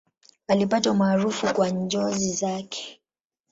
Alipata umaarufu kwa njozi zake.